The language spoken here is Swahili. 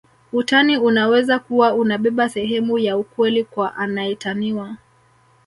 Utani unaweza kuwa unabeba sehemu ya ukweli kwa anaetaniwa